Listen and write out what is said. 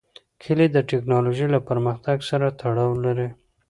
کلي د تکنالوژۍ له پرمختګ سره تړاو لري.